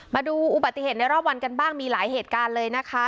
มาดูอุบัติเหตุในรอบวันกันบ้างมีหลายเหตุการณ์เลยนะคะ